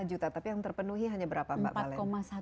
lima juta tapi yang terpenuhi hanya berapa mbak bale